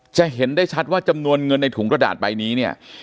จะเห็นได้ชัดว่าจำนวนเงินในถุงกระดาษใบนี้เนี่ย